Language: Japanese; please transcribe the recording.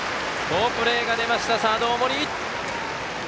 好プレーが出ました、サード大森。